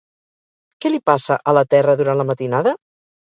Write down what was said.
Què li passa a la terra durant la matinada?